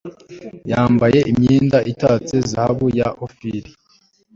yambaye imyenda itatse zahabu y'i ofiri